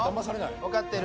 分かってる？